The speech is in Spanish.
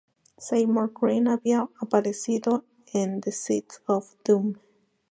Seymour Green había aparecido en "The Seeds of Doom".